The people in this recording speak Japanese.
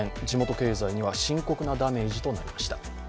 地元経済には深刻なダメージとなりました。